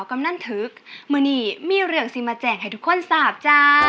มาหน่อย